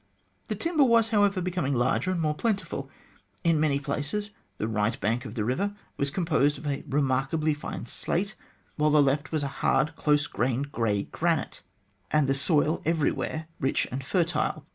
The timber was, however, becoming larger and more plentiful. In many places the right bank of the river was composed of a remarkably fine slate, while the left was a hard, close grained grey granite, and the soil everywhere rich and fertile.